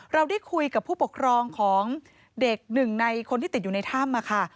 เราได้คุยกับผู้ปกครองของเด็กหนึ่งในคนที่ติดอยู่ในถ้ำค่ะ